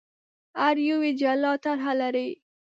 هر یو یې جلا طرح لري.